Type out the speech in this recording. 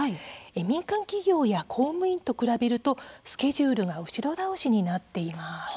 民間企業や公務員と比べるとスケジュールが後ろ倒しになっています。